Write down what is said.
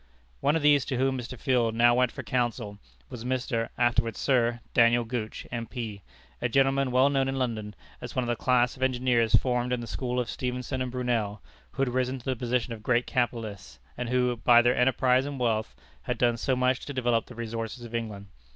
One of these to whom Mr. Field now went for counsel, was Mr. (afterward Sir) Daniel Gooch, M.P., a gentleman well known in London, as one of the class of engineers formed in the school of Stephenson and Brunel, who had risen to the position of great capitalists, and who, by their enterprise and wealth, had done so much to develop the resources of England.